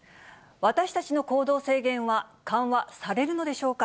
私たちの行動制限は緩和されるのでしょうか。